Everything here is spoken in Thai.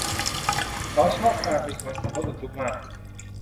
เขาชอบการเป็นคนขับรถบรรทุกมาก